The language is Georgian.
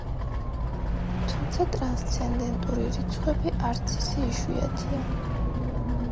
თუმცა ტრანსცენდენტური რიცხვები არც ისე იშვიათია.